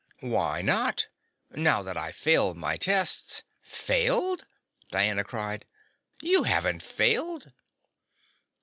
"Why not? Now that I've failed my tests " "Failed?" Diana cried. "You haven't failed!"